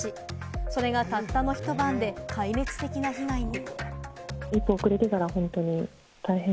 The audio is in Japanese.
それがたったのひと晩で壊滅的な被害に。